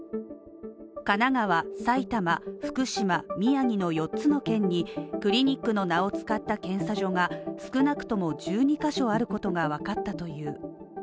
神奈川、埼玉、福島、宮城の四つの県にクリニックの名を使った検査場が少なくとも１２ヶ所あることがわかったという。